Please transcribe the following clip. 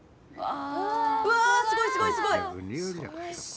うわすごいすごいすごい。